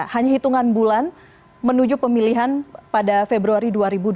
hanya hitungan bulan menuju pemilihan pada februari dua ribu dua puluh